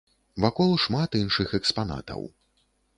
Вакол шмат іншых экспанатаў.